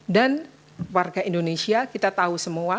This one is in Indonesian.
dan warga indonesia kita tahu semua